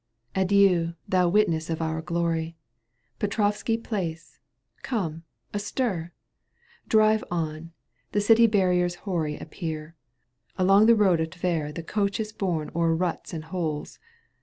Adieu, thou witness of our glory, Petrovski Palace ; come, astir ! Drive on ! the city barriers hoary Appear ; along the road of Tver The coach is borne o'er ruts and holes.